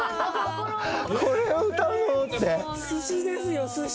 「これを歌うの？」って？